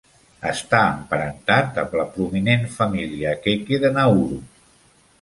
Està emparentat amb la prominent família Keke de Nauru.